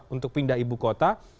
untuk pindah ibu kota